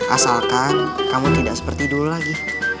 asalkan kamu tidak seperti dulu lagi